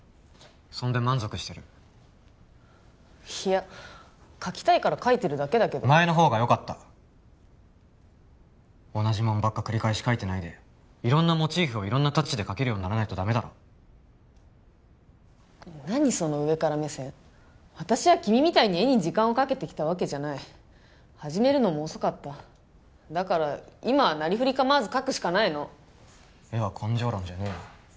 そんで満足してるいや描きたいから描いてるだけだけど前の方がよかった同じもんばっか繰り返し描いてないで色んなモチーフを色んなタッチで描けるようにならないとダメだろ何その上から目線私は君みたいに絵に時間をかけてきたわけじゃない始めるのも遅かっただから今はなりふり構わず描くしかないの絵は根性論じゃねえよ